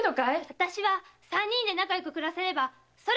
あたしは三人で仲よく暮らせればそれでいいのよ！